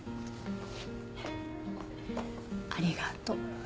ありがとう。